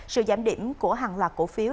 sự giảm điểm của hàng loạt cổ phiếu